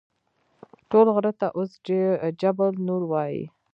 ټول غره ته اوس جبل نور وایي.